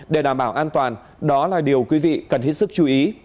để đảm bảo an toàn đó là điều quý vị cần hết sức chú ý